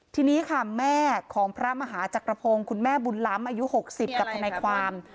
ทีนี้ค่ะแม่ของพระมหาจักรพงศ์คุณแม่บุญล้ำอายุ๖๐กับทนายความ